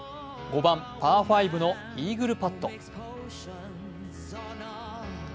５番・パー５のイーグルパット。